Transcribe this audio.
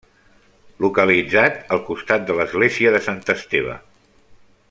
Localitzat al costat de l'església de Sant Esteve.